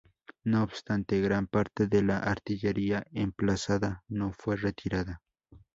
No obstante, gran parte de la artillería emplazada no fue retirada.